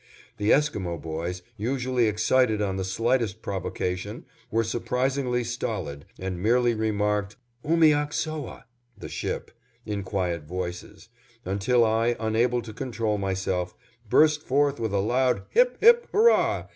The Esquimo boys, usually excited on the slightest provocation, were surprisingly stolid and merely remarked, "Oomiaksoah" ("The ship") in quiet voices, until I, unable to control myself, burst forth with a loud "hip! hip! hurrah!"